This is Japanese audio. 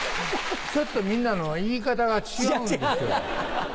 ちょっとみんなの言い方が違うんですよ。